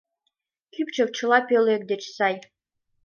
Кӱпчык чыла пӧлек деч сай.